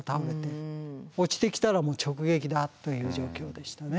落ちてきたらもう直撃だという状況でしたね。